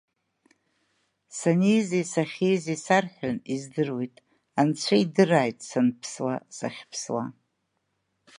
Санизи сахьизи сарҳәан, издыруеит, анцәа идырааит санԥсуа, сахьыԥсуа.